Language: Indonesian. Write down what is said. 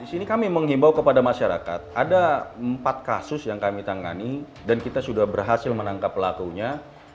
di sini kami menghimbau kepada masyarakat ada empat kasus yang kami tangani dan kita sudah berhasil menangkap pelakunya